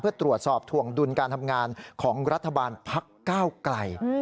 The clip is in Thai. เพื่อตรวจสอบถวงดุลการทำงานของรัฐบาลพักก้าวไกล